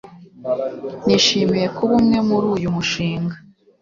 nishimiye kuba umwe muri uyu mushinga